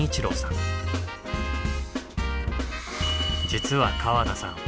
実は川田さん